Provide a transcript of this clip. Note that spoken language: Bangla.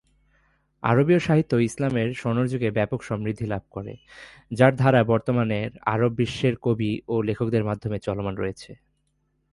আরবীয় সাহিত্য ইসলামের স্বর্ণযুগে ব্যাপক সমৃদ্ধি লাভ করে, যার ধারা বর্তমানের আরব বিশ্বের কবি ও লেখকদের মাধ্যমে চলমান রয়েছে।